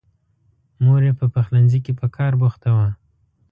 مور یې په پخلنځي کې په کار بوخته وه.